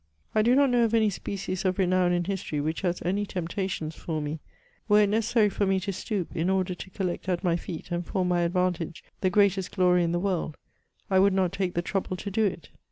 I do not know of any species of renown in history which has any temptations for me : were it necessary for me to stoop, in order to collect at my feet, and for my advantage, the greatest glory in the world, I would not take the trouble to do it.